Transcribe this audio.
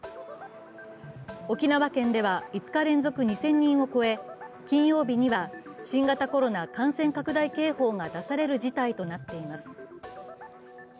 沖縄県では、５日連続２０００人を超え、金曜日には新型コロナ感染拡大警報が出される事態となっています。